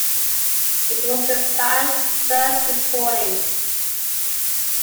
It was the band's first recording.